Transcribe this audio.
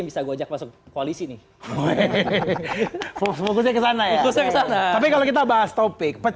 bisa guajak masuk koalisi nih hehehe fokusnya kesana ya kesana tapi kalau kita bahas topik